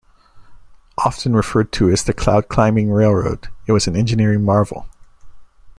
Often referred to as the "Cloud Climbing Railroad" it was an engineering marvel.